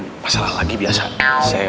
ya allah salamualaikum wa rahmatullah